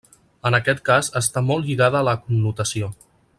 En aquest cas està molt lligada a la connotació.